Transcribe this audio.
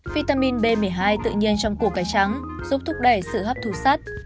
vitamin b một mươi hai tự nhiên trong củ cải trắng giúp thúc đẩy sự hấp thụ sắt